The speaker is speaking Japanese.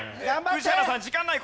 宇治原さん時間ない。